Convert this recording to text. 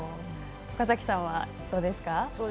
岡崎さんはどうですか。